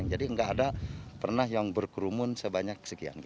jadi tidak ada yang pernah berkerumun sebanyak sekian